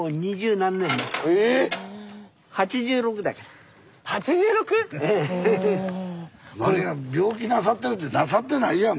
何が病気なさってるってなさってないやん